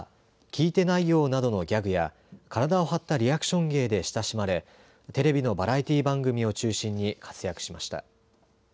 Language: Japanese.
聞いてないよォなどのギャグや体を張ったリアクション芸で親しまれテレビのバラエティー番組を中心に活躍しました。